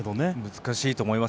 難しいと思います。